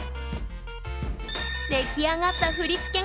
出来上がった振り付けがこちら！